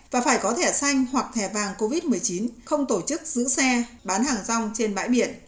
và phải có thẻ xanh hoặc thẻ vàng covid một mươi chín không tổ chức giữ xe bán hàng rong trên bãi biển